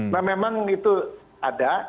nah memang itu ada